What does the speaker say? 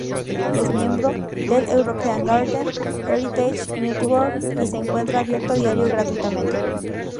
Es miembro del European Garden Heritage Network y se encuentra abierto a diario gratuitamente.